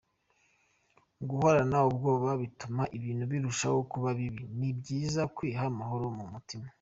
Guhorana ubwoba bituma ibintu birushaho kuba bibi, ni byiza kwiha amahoro mu mutima.